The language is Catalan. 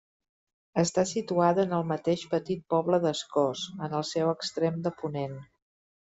Està situada en el mateix petit poble d'Escós, en el seu extrem de ponent.